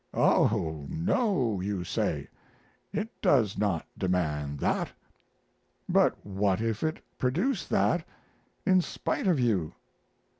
Oh no, you say; it does not demand that. But what if it produce that in spite of you?